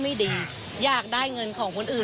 มีความว่ายังไง